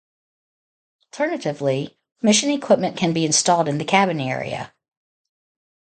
Alternatively, mission equipment can be installed in the cabin area.